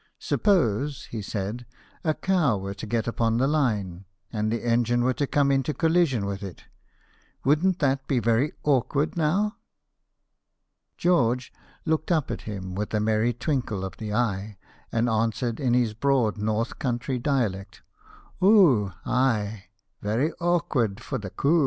" Suppose," he said, " a cow were to get upon the line, and the engine were to come into collision with it ; wouldn't that be very awkward, now ?" George looked up at him with a merry twinkle of the eye, and answered in his broad North Country dialect, " Oo, ay, very awkward for the coo!'